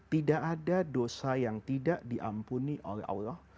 tidak ada dosa yang tidak diampuni oleh allah